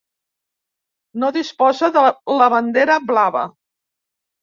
No disposa de la bandera blava.